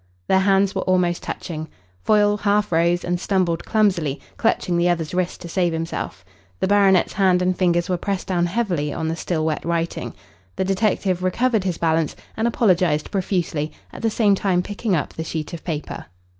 Their hands were almost touching. Foyle half rose and stumbled clumsily, clutching the other's wrist to save himself. The baronet's hand and fingers were pressed down heavily on the still wet writing. The detective recovered his balance and apologised profusely, at the same time picking up the sheet of paper.